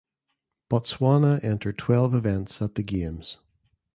Botswana entered twelve events at the games.